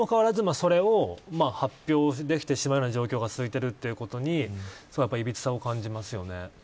にもかかわらず、それを発表できてしまう状況が続いていることにいびつさを感じます。